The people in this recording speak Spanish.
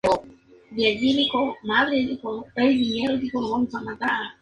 Kellogg Graduate School of Management Northwestern.